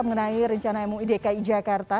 mengenai rencana mui dki jakarta